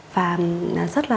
và rất là thích hát